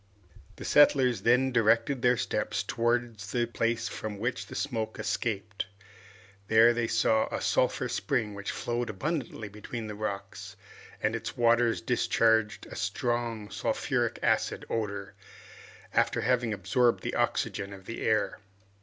The settlers then directed their steps towards the place from which the smoke escaped. They there saw a sulphur spring which flowed abundantly between the rocks, and its waters discharged a strong sulphuric acid odor, after having absorbed the oxygen of the air.